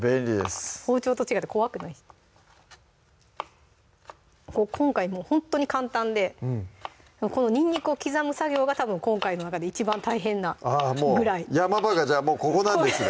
包丁と違って怖くないし今回もうほんとに簡単でこのにんにくを刻む作業がたぶん今回の中で一番大変なぐらい山場がじゃあもうここなんですね